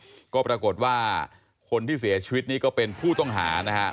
แล้วก็ปรากฏคนที่เสียชวีสนี้ก็เป็นผู้ต้องหานะฮะ